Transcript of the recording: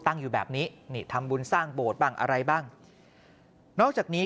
ตั้งอยู่แบบนี้นี่ทำบุญสร้างโบสถ์บ้างอะไรบ้างนอกจากนี้